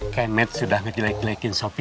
kayak met sudah ngejelek jelekin sopi